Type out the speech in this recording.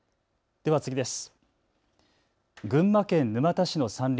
では次です。